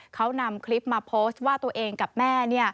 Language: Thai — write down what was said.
เขานำคลิปมาโพสต์ว่าตัวเองกับแม่